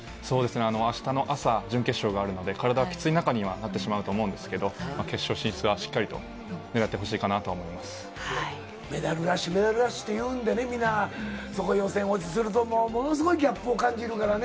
あしたの朝、準決勝があるので、体きつい中にはなってしまうと思うんですけど、決勝進出はしっかメダルラッシュ、メダルラッシュっていうんでね、皆、そこで予選落ちすると、もうものすごいギャップを感じるからね。